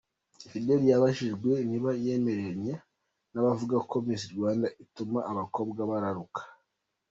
Fidela yabajijwe niba yemeranya n’abavuga ko Miss Rwanda ituma abakobwa bararuka.